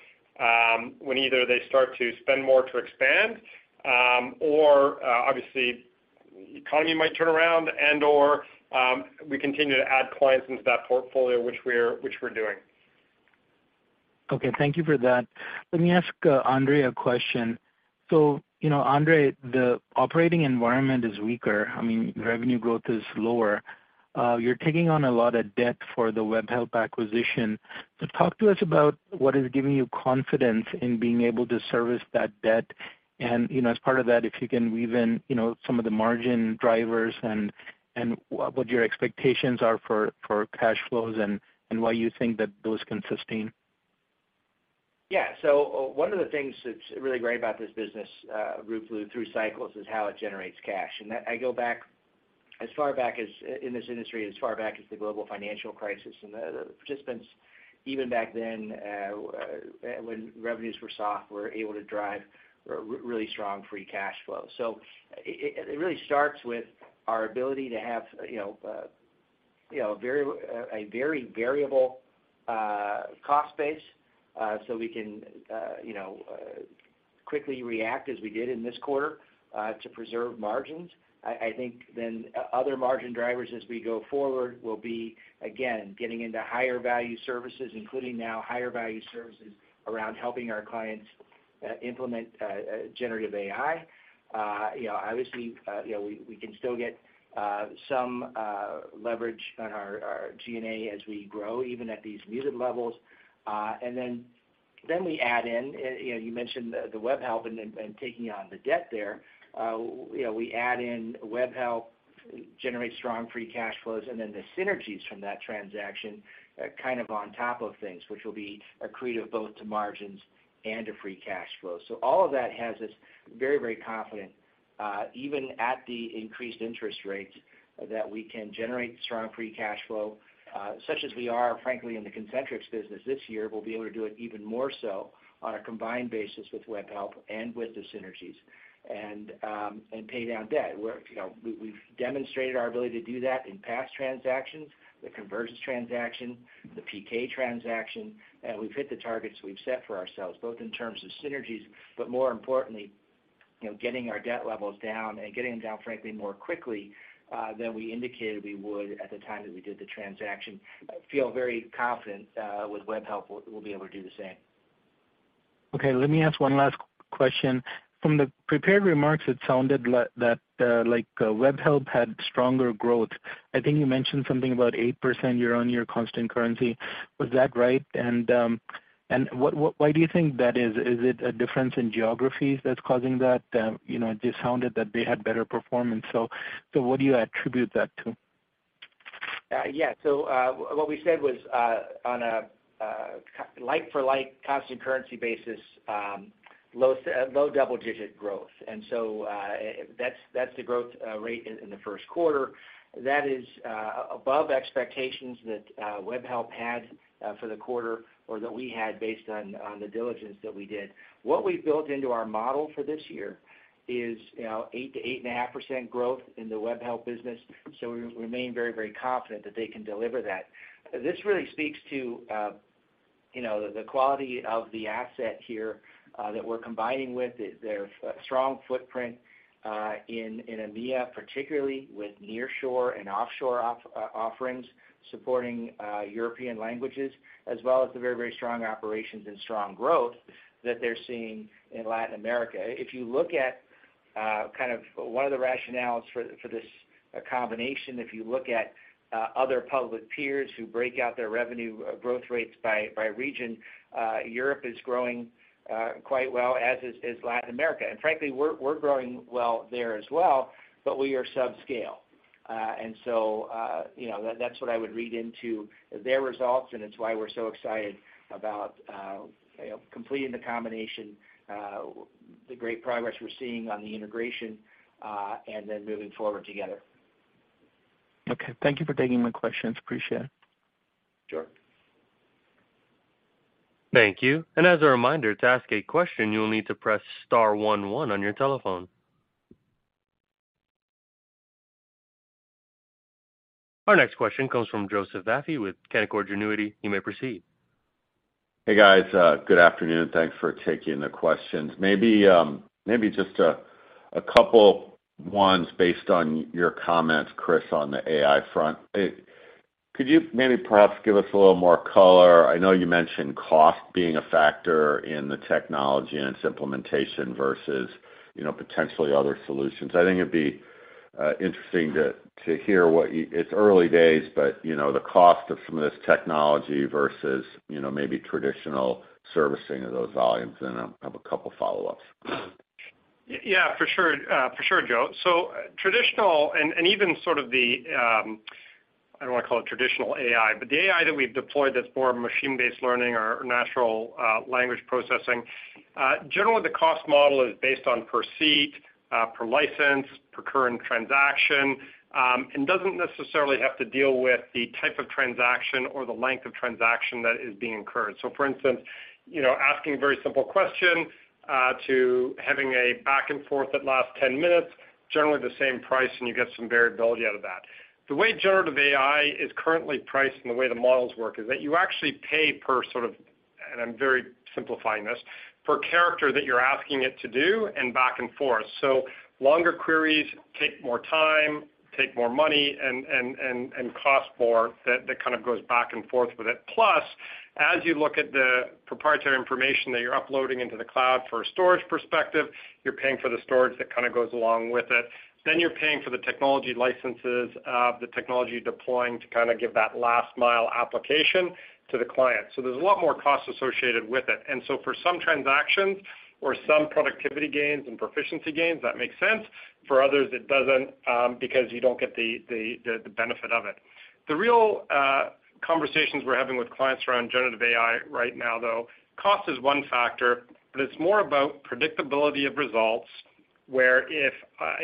when either they start to spend more to expand, or, obviously, the economy might turn around and/or, we continue to add clients into that portfolio, which we're doing. Okay. Thank you for that. Let me ask Andre a question. You know, Andre, the operating environment is weaker. I mean, revenue growth is lower. You're taking on a lot of debt for the Webhelp acquisition. Talk to us about what is giving you confidence in being able to service that debt. You know, as part of that, if you can weave in, you know, some of the margin drivers and what your expectations are for cash flows and why you think that those can sustain. Yeah, one of the things that's really great about this business, Ruplu, through cycles, is how it generates cash. I go back as far back as, in this industry, as far back as the global financial crisis, and the participants, even back then, when revenues were soft, were able to drive really strong free cash flow. It really starts with our ability to have, you know, you know, a very variable cost base, so we can, you know, quickly react as we did in this quarter, to preserve margins. I think then other margin drivers as we go forward will be, again, getting into higher value services, including now higher value services around helping our clients implement generative AI. You know, obviously, you know, we can still get some leverage on our G&A as we grow, even at these muted levels. Then we add in, you know, you mentioned the Webhelp and taking on the debt there. you know, we add in Webhelp, which generates strong free cash flows, and then the synergies from that transaction are kind of on top of things, which will be accretive both to margins and to free cash flow. All of that has us very, very confident, even at the increased interest rates, that we can generate strong free cash flow, such as we are, frankly, in the Concentrix business this year, we'll be able to do it even more so on a combined basis with Webhelp and with the synergies, and pay down debt. We're, you know, we've demonstrated our ability to do that in past transactions, the Convergys transaction, the PK transaction, and we've hit the targets we've set for ourselves, both in terms of synergies, but more importantly, you know, getting our debt levels down and getting them down, frankly, more quickly, than we indicated we would at the time that we did the transaction. I feel very confident that with Webhelp, we'll be able to do the same. Okay, let me ask one last question. From the prepared remarks, it sounded like, Webhelp had stronger growth. I think you mentioned something about 8% year-on-year constant currency. Was that right? Why do you think that is? Is it a difference in geographies that's causing that? You know, it just sounded like they had better performance. What do you attribute that to? Yeah. What we said was on a like for like, constant currency basis, low double-digit growth. That's the growth rate in the first quarter. That is above expectations that Webhelp had for the quarter or that we had based on the diligence that we did. What we've built into our model for this year is, you know, 8% to 8.5% growth in the Webhelp business, so we remain very, very confident that they can deliver that. This really speaks to, you know, the quality of the asset here that we're combining with. Their strong footprint in EMEA, particularly with nearshore and offshore offerings supporting European languages, as well as the very strong operations and strong growth that they're seeing in Latin America. If you look at kind of one of the rationales for this combination, if you look at other public peers who break out their revenue growth rates by region, Europe is growing quite well, as is Latin America. Frankly, we're growing well there as well, but we are subscale. You know, that's what I would read into their results, and it's why we're so excited about you know, completing the combination, the great progress we're seeing on the integration, moving forward together. Okay, thank you for taking my questions. Appreciate it. Sure. Thank you. As a reminder, to ask a question, you will need to press star one one on your telephone. Our next question comes from Joseph Vafi with Canaccord Genuity. You may proceed. Hey, guys, good afternoon. Thanks for taking the questions. Maybe just a couple ones based on your comments, Chris, on the AI front. Could you maybe perhaps give us a little more color? I know you mentioned cost being a factor in the technology and its implementation versus, you know, potentially other solutions. I think it'd be interesting to hear what you. It's early days, but, you know, the cost of some of this technology versus, you know, maybe traditional servicing of those volumes. I have a couple of follow-ups. Yeah, for sure, for sure, Joe. Traditional and even sort of the, I don't want to call it traditional AI, but the AI that we've deployed that's more machine-based learning or natural language processing, generally the cost model is based on per seat, per license, per current transaction, and doesn't necessarily have to deal with the type of transaction or the length of transaction that is being incurred. For instance, you know, asking a very simple question, to having a back and forth that lasts 10 minutes, generally the same price, and you get some variability out of that. The way generative AI is currently priced and the way the models work is that you actually pay per sort of, and I'm very simplifying this, per character that you're asking it to do and back and forth. Longer queries take more time, take more money and cost more. That kind of goes back and forth with it. As you look at the proprietary information that you're uploading into the cloud for a storage perspective, you're paying for the storage that kind of goes along with it. You're paying for the technology licenses, the technology deploying to kind of give that last mile application to the client. There's a lot more costs associated with it. For some transactions or some productivity gains and proficiency gains, that make sense. For others, it doesn't, because you don't get the benefit of it. The real conversations we're having with clients around generative AI right now, though, cost is one factor, but it's more about predictability of results, where if,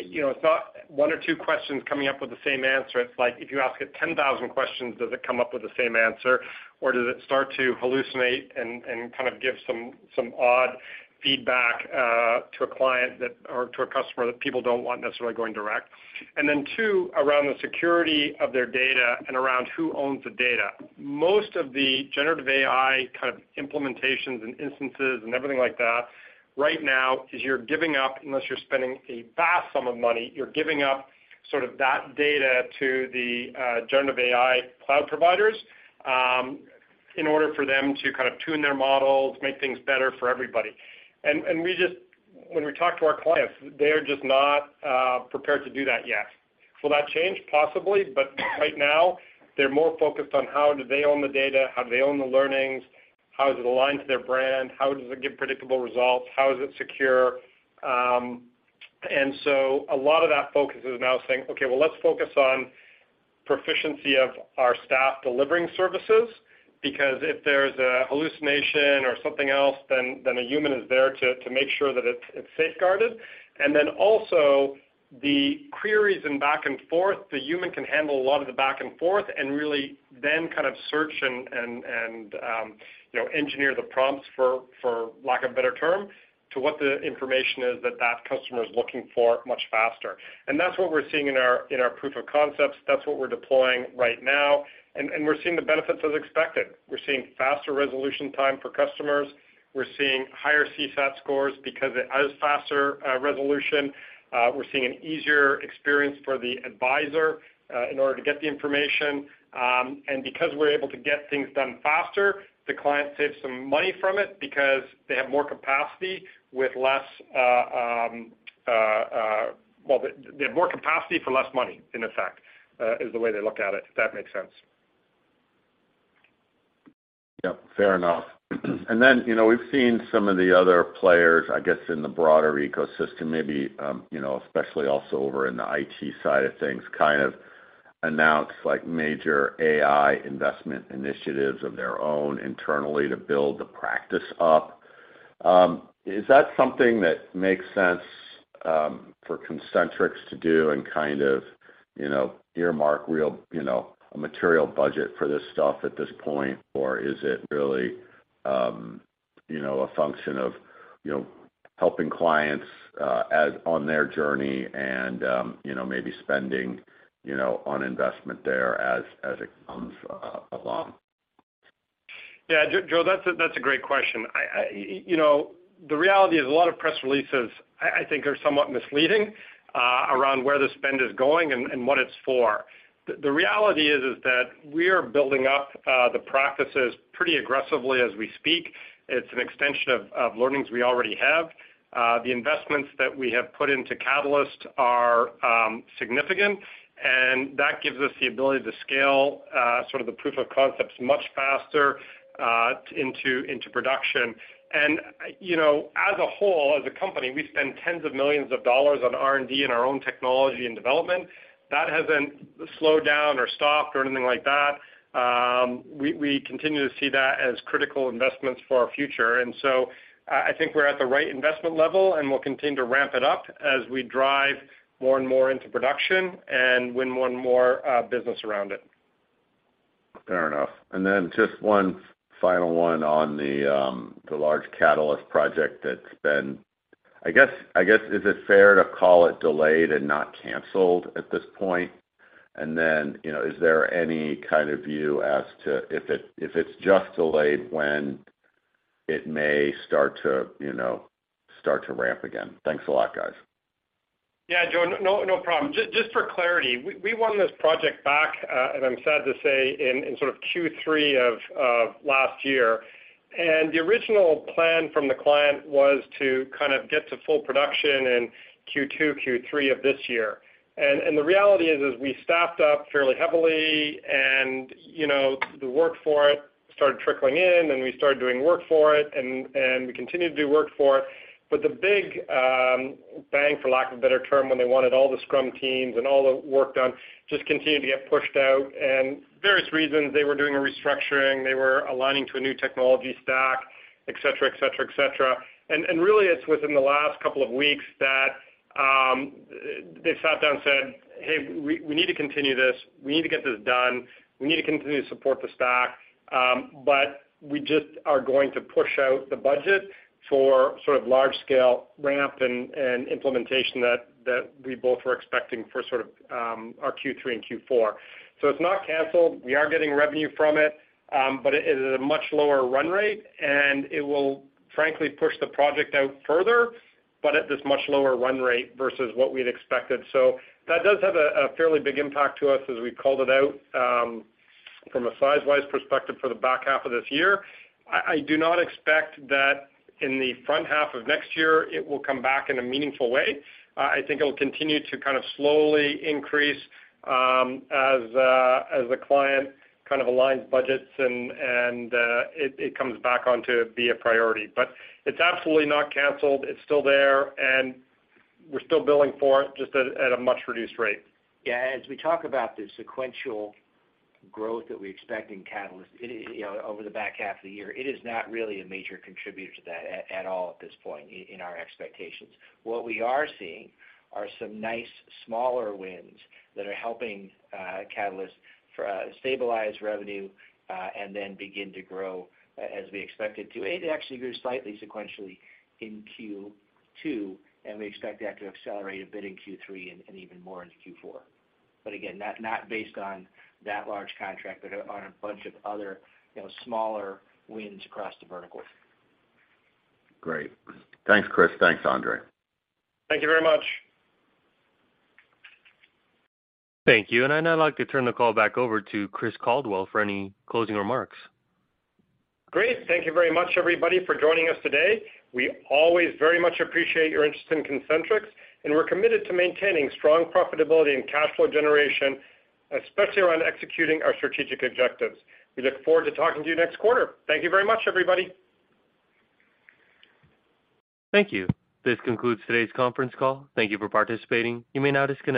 you know, it's not one or two questions coming up with the same answer. It's like, if you ask it 10,000 questions, does it come up with the same answer? Does it start to hallucinate and kind of give some odd feedback to a client that or to a customer that people don't want necessarily going direct? Two, around the security of their data and around who owns the data. Most of the generative AI kind of implementations and instances and everything like that, right now, is you're giving up, unless you're spending a vast sum of money, you're giving up sort of that data to the generative AI cloud providers, in order for them to kind of tune their models, make things better for everybody. We just when we talk to our clients, they're just not prepared to do that yet. Will that change? Possibly, right now, they're more focused on how do they own the data, how do they own the learnings, how does it align to their brand, how does it give predictable results, how is it secure? A lot of that focus is now saying, okay, well, let's focus on proficiency of our staff delivering services, because if there's a hallucination or something else, then a human is there to make sure that it's safeguarded. Also the queries and back and forth, the human can handle a lot of the back and forth and really then kind of search and, you know, engineer the prompts for lack of a better term, to what the information is that that customer is looking for much faster. That's what we're seeing in our proof of concepts. That's what we're deploying right now, and we're seeing the benefits as expected. We're seeing faster resolution time for customers. We're seeing higher CSAT scores because it has faster resolution. We're seeing an easier experience for the advisor in order to get the information. Because we're able to get things done faster, the client saves some money from it because they have more capacity. Well, they have more capacity for less money, in effect, is the way they look at it, if that makes sense. Yep, fair enough. Then, you know, we've seen some of the other players, I guess, in the broader ecosystem, maybe, you know, especially also over in the IT side of things, kind of announce like major AI investment initiatives of their own internally to build the practice up. Is that something that makes sense for Concentrix to do and kind of, you know, earmark real, you know, a material budget for this stuff at this point? Is it really, you know, a function of, you know, helping clients as on their journey and, you know, maybe spending on investment there as it comes along? Yeah, Joe, that's a great question. I, you know, the reality is a lot of press releases, I think, are somewhat misleading around where the spend is going and what it's for. The reality is that we are building up the practices pretty aggressively as we speak. It's an extension of learnings we already have. The investments that we have put into Catalyst are significant, and that gives us the ability to scale sort of the proof of concepts much faster into production. You know, as a whole, as a company, we spend tens of millions of dollars on R&D in our own technology and development. That hasn't slowed down or stopped or anything like that. We continue to see that as critical investments for our future. I think we're at the right investment level, and we'll continue to ramp it up as we drive more and more into production and win more and more business around it. Fair enough. Just one final one on the large Catalyst project that's been, I guess, is it fair to call it delayed and not canceled at this point? You know, is there any kind of view as to if it's just delayed, when it may start to ramp again? Thanks a lot, guys. Yeah, Joe, no problem. Just for clarity, we won this project back, and I'm sad to say, in sort of Q3 of last year. The original plan from the client was to kind of get to full production in Q2, Q3 of this year. The reality is, we staffed up fairly heavily and, you know, the work for it started trickling in, and we started doing work for it, and we continued to do work for it. The big bang, for lack of a better term, when they wanted all the scrum teams and all the work done, just continued to get pushed out. Various reasons, they were doing a restructuring, they were aligning to a new technology stack, et cetera, et cetera, et cetera. Really, it's within the last couple of weeks that they sat down and said, "Hey, we need to continue this. We need to get this done. We need to continue to support the stack. We just are going to push out the budget for sort of large-scale ramp and implementation that we both were expecting for sort of our Q3 and Q4." It's not canceled. We are getting revenue from it, but it is a much lower run rate, and it will frankly, push the project out further, but at this much lower run rate versus what we'd expected. That does have a fairly big impact to us as we called it out from a size-wise perspective for the back half of this year. I do not expect that in the front half of next year, it will come back in a meaningful way. I think it'll continue to kind of slowly increase, as the client kind of aligns budgets and it comes back on to be a priority. It's absolutely not canceled, it's still there, and we're still billing for it, just at a much reduced rate. As we talk about the sequential growth that we expect in Catalyst, it, you know, over the back half of the year, it is not really a major contributor to that at all at this point in our expectations. What we are seeing are some nice, smaller wins that are helping Catalyst stabilize revenue and then begin to grow as we expect it to. It actually grew slightly sequentially in Q2, and we expect that to accelerate a bit in Q3 and even more into Q4. Again, not based on that large contract, but on a bunch of other, you know, smaller wins across the verticals. Great. Thanks, Chris. Thanks, Andre. Thank you very much. Thank you. I'd now like to turn the call back over to Chris Caldwell for any closing remarks. Great. Thank you very much, everybody, for joining us today. We always very much appreciate your interest in Concentrix, and we're committed to maintaining strong profitability and cash flow generation, especially around executing our strategic objectives. We look forward to talking to you next quarter. Thank you very much, everybody. Thank you. This concludes today's conference call. Thank you for participating. You may now disconnect.